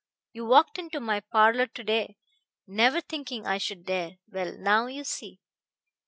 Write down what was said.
You walked into my parlor to day, never thinking I should dare. Well, now you see."